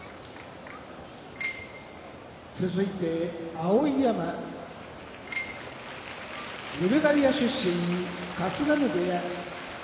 碧山ブルガリア出身春日野部屋